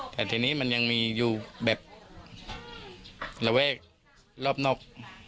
แต่ทีนี้มันยังมีอยู่แบบระแวกรอบนอก